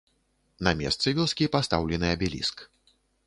На месцы вёскі пастаўлены абеліск.